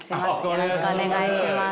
よろしくお願いします。